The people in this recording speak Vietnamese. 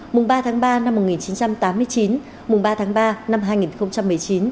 mùng ba tháng ba năm một nghìn chín trăm tám mươi chín mùng ba tháng ba năm hai nghìn một mươi chín